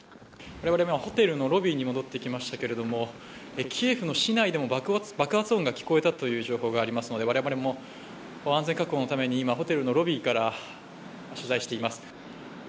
我々今、ホテルのロビーに戻ってきましたけれども、キエフの市内でも爆発音が聞こえたという情報がありますので我々も安全確保のために今、ホテルのロビーから取材しています。